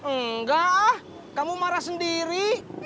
enggak kamu marah sendiri